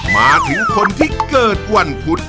มาถึงคนที่เกิดวันพุธ